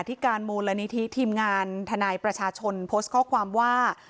ที่การมูลนิธิทีมงานทนายประชาชนโพสต์ข้อความว่า